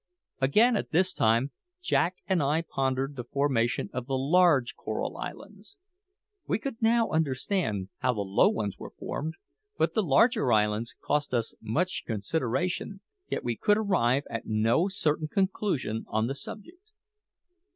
Again, at this time Jack and I pondered the formation of the large coral islands. We could now understand how the low ones were formed; but the larger islands cost us much consideration, yet we could arrive at no certain conclusion on the subject.